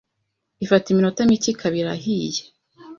ifata iminota mike ikaba irahiye,